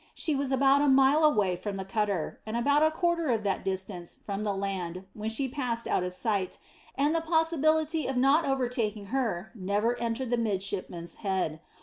She was about a mile away from the cutter, and about a quarter of that distance from the land when she passed out of sight, and the possibility of not overtaking her never entered the midshipman's head.